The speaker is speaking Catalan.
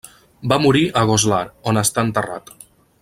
Va morir a Goslar, on està enterrat.